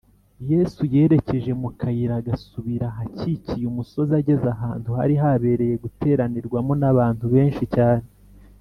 yesu yerekeje mu kayira gasubira ahakikiye umusozi ageze ahantu hari habereye guteranirwamo n’abantu benshi cyane,